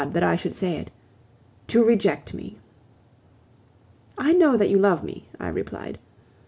that I should say it to reject me." "I know that you love me," I replied.